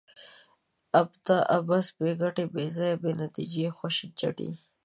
ابته ؛ عبث، بې ګټي، بې ځایه ، بې نتیجې، خوشي چټي